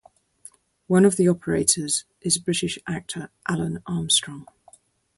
One of the operators is British actor Alun Armstrong.